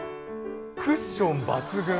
クッション抜群！